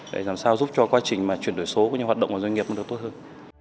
để làm sao giúp cho quá trình chuyển đổi số của những hoạt động của doanh nghiệp được tốt hơn